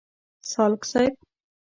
سالک صیب.